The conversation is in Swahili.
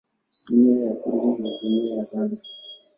Dunia ya kweli ni dunia ya dhana.